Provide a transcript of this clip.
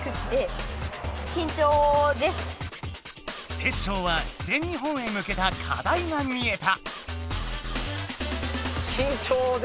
テッショウは全日本へ向けたかだいが見えた。